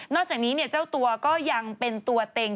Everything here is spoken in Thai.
จากนี้เจ้าตัวก็ยังเป็นตัวเต็ง